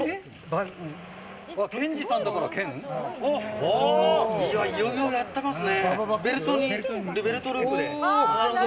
いろいろやってますね。